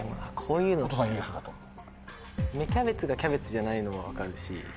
芽キャベツがキャベツじゃないのは分かるし。